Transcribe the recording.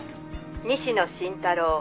「西野伸太郎」